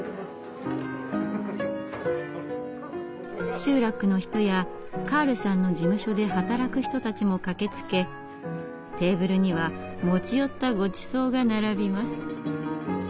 集落の人やカールさんの事務所で働く人たちも駆けつけテーブルには持ち寄ったごちそうが並びます。